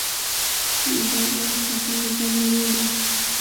دا اوس د کومې زمانې دي.